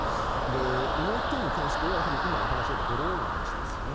もう１点に関しては今お話があったドローンの話ですね。